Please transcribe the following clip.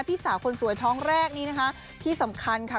พี่สาวคนสวยท้องแรกนี้นะคะที่สำคัญค่ะ